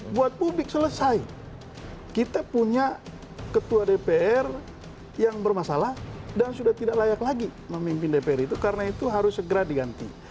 buat publik selesai kita punya ketua dpr yang bermasalah dan sudah tidak layak lagi memimpin dpr itu karena itu harus segera diganti